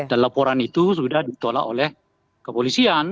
dan laporan itu sudah ditolak oleh kepolisian